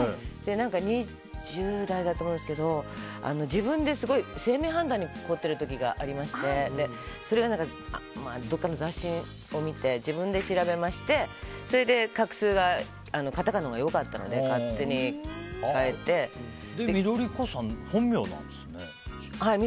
２０代だと思うんですけど自分で姓名判断に凝っている時がありましてそれが、どこかの雑誌を見て自分で調べましてそれで画数がカタカナのほうが良かったので緑子さんも本名なんですね。